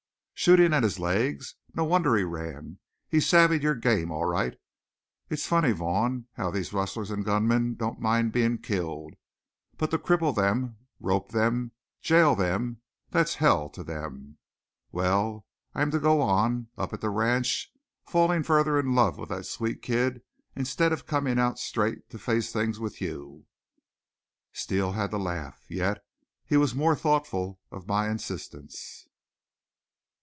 "Shooting at his legs! No wonder he ran. He savvied your game all right. It's funny, Vaughn, how these rustlers and gunmen don't mind being killed. But to cripple them, rope them, jail them that's hell to them! Well, I'm to go on, up at the ranch, falling further in love with that sweet kid instead of coming out straight to face things with you?" Steele had to laugh, yet he was more thoughtful of my insistence.